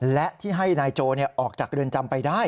และที่ให้นายโจออกจากเรือนจำไปได้